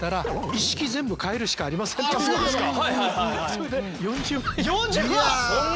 それで４０万！？